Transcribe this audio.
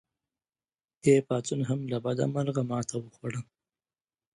دې پاڅون هم له بده مرغه ماته وخوړه.